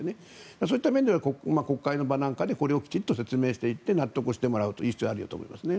そういった面では国会の場でこれを説明していって納得してもらう必要があると思います。